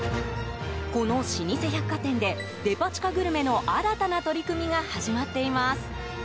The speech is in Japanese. この老舗百貨店でデパ地下グルメの新たな取り組みが始まっています。